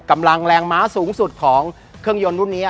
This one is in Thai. กำลังแรงม้าสูงสุดของเครื่องยนต์รุ่นนี้